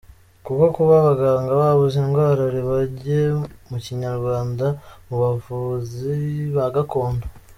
Kuko kuba abaganga babuze indwara nibajye mukinyarwanda mubavuzi bagakondo.